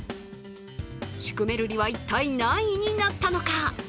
シュクメルリは一体、何位になったのか？